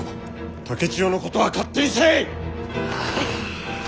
竹千代のことは勝手にせい！